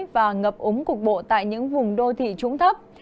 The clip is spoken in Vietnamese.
và ngập úng cục bộ tại những vùng đô thị trũng thấp